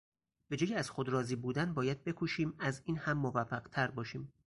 به جای از خود راضی بودن باید بکوشیم از این هم موفقتر باشیم.